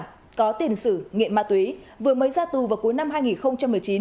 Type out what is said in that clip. hội đồng xét xử nghiện ma túy vừa mới ra tù vào cuối năm hai nghìn một mươi chín